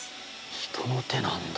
人の手なんだ。